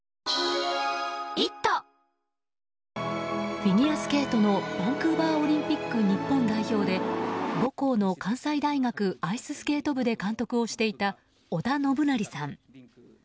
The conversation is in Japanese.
フィギュアスケートのバンクーバーオリンピック日本代表で、母校の関西大学アイススケート部で監督をしていた織田信成さん。